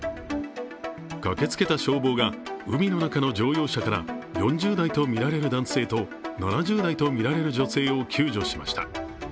駆けつけた消防が海の中の乗用車から４０代とみられる男性と７０代とみられる女性を救助しました。